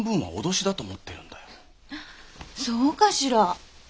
そうかしら。